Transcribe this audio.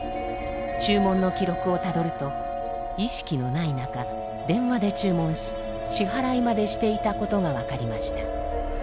注文の記録をたどると意識のない中電話で注文し支払いまでしていたことが分かりました。